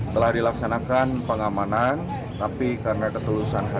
telah dilaksanakan pengawasan